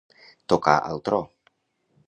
Tocar al tro.